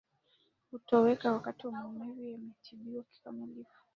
hutoweka wakati maumivu yametibiwa kikamilifu